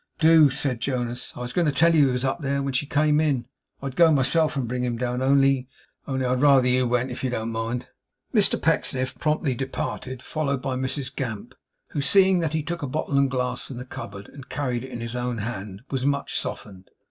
'Do,' said Jonas. 'I was going to tell you he was up there, when she came in. I'd go myself and bring him down, only only I'd rather you went, if you don't mind.' Mr Pecksniff promptly departed, followed by Mrs Gamp, who, seeing that he took a bottle and glass from the cupboard, and carried it in his hand, was much softened.